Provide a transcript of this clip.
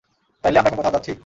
তাইলে আমরা এখন কোথাও যাচ্ছি।